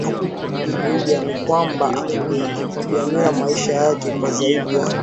hakukijua ni kwamba angepigania maisha yake kwa zaidi ya